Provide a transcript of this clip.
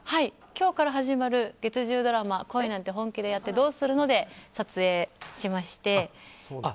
今日から始まる月１０ドラマ「恋なんて、本気でやってどうするの？」で撮影しまして。